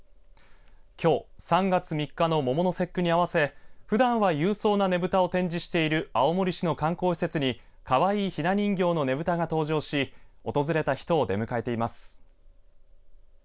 きょう３月３日の桃の節句に合わせふだんは勇壮なねぶたを展示している青森市の観光施設にかわいい、ひな人形のねぶたが登場し訪れた人を出迎えています。